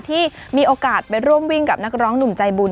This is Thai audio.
ที่มีโอกาสไปร่วมวิ่งกับนักร้องหนุ่มใจบุญ